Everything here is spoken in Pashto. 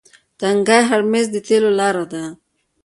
تنګی هرمز د تیلو لاره ده.